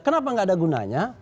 kenapa nggak ada gunanya